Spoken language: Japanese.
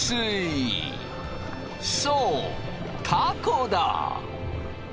そうたこだ。